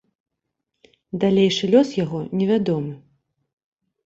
Далейшы лёс яго невядомы.